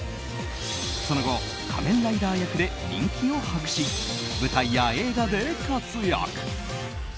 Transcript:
その後仮面ライダー役で人気を博し舞台や映画で活躍。